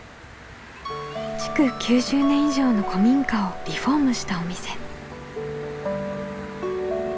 築９０年以上の古民家をリフォームしたお店。